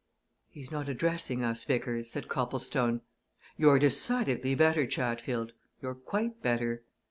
"He's not addressing us, Vickers," said Copplestone. "You're decidedly better, Chatfield you're quite better.